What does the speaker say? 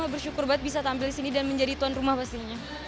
bersyukur banget bisa tampil di sini dan menjadi tuan rumah pastinya